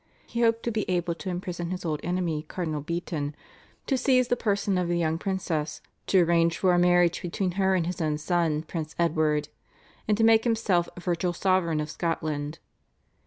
He hoped to be able to imprison his old enemy Cardinal Beaton, to seize the person of the young princess, to arrange for a marriage between her and his own son Prince Edward, and to make himself virtual sovereign of Scotland.